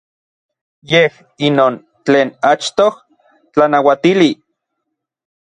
Yej inon tlen achtoj tlanauatili.